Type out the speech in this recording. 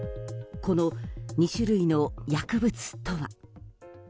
この２種類の薬物とは。